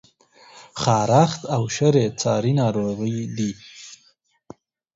خارښت او شری څاری ناروغی دي؟